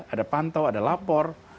ada pantau ada lapor